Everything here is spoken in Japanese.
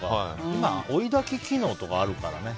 今、追い炊き機能とかあるからね。